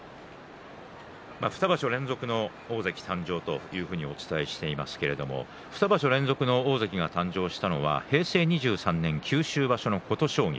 ２場所連続の大関誕生というふうにお伝えしていますけれども２場所連続の大関が誕生したのは平成２３年九州場所の琴奨菊